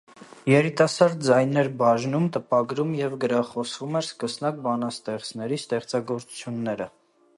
«Երիտասարդ ձայներ» բաժնում տպագրում և գրախոսվում էր սկսնակ բանաստեղծների ստեղծագործությունները։